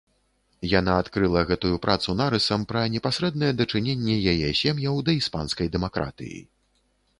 Яна адкрыла гэтую працу нарысам пра непасрэднае дачыненне яе сем'яў да іспанскай дэмакратыі.